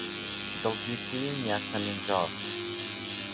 دڵگیرترین یاسەمینجاڕ